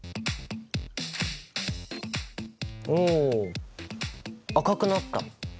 おお赤くなった。